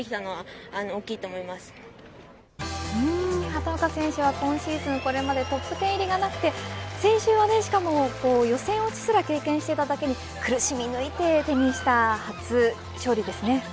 畑岡選手は今シーズンこれまでトップ１０入りがなくて先週は、しかも予選落ちすら経験していただけに苦しみ抜いて手にした初勝利ですね。